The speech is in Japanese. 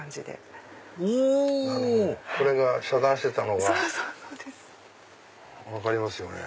これが遮断してたのが分かりますよね。